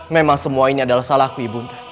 memang semua ini adalah salahku ibu